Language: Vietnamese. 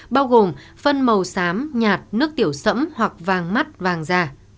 bao gồm phân màu xám nhạt nước tiểu sẫm hoặc vàng mắt vàng giả